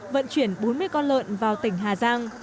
vận chuyển bốn mươi con lợn vào tỉnh hà giang